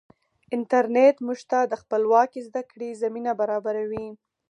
انټرنیټ موږ ته د خپلواکې زده کړې زمینه برابروي.